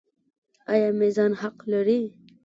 آیا میزان حق دی؟